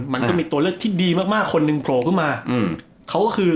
มันก็มีตัวเลือกที่ดีมากมากคนหนึ่งโผล่ขึ้นมาอืมเขาก็คือ